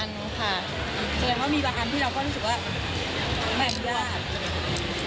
แสดงว่ามีบางอันที่เราก็รู้สึกว่าไม่อนุญาต